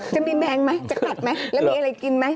แมงไหมจะกัดไหมแล้วมีอะไรกินไหม